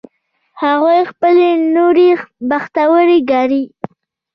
هغوی خپلې لوڼې بختوری ګڼي